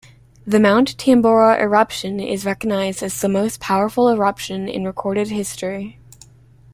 The Mount Tambora eruption is recognized as the most powerful eruption in recorded history.